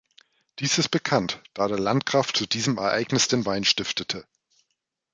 Dies ist bekannt, da der Landgraf zu diesem Ereignis den Wein stiftete.